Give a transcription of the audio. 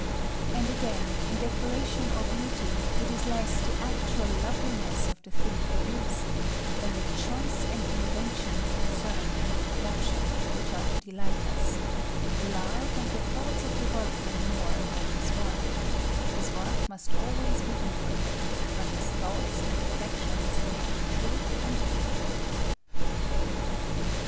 And again, in decoration or beauty, it is less the actual loveliness of the thing produced, than the choice and invention concerned in the production, which are to delight us; the love and the thoughts of the workman more than his work: his work must always be imperfect, but his thoughts and affections may be true and deep.